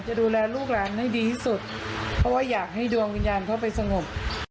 จะดูแลลูกหลานให้ดีที่สุดเพราะว่าอยากให้ดวงวิญญาณเขาไปสงบ